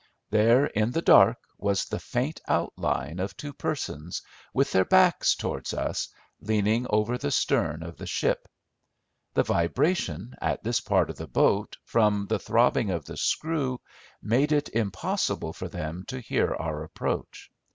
There in the dark was the faint outline of two persons, with their backs towards us, leaning over the stern of the ship. The vibration at this part of the boat, from the throbbing of the screw, made it impossible for them to hear our approach.